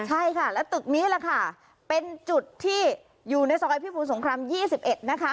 ใช่ค่ะแล้วตึกนี้แหละค่ะเป็นจุดที่อยู่ในซอยพิบูรสงคราม๒๑นะคะ